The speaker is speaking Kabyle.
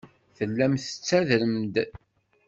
Tellam tettadrem-d.